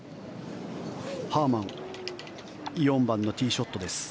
ハーマン４番のティーショットです。